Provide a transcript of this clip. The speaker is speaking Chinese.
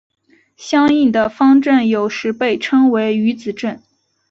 相应的方阵有时被称为余子阵。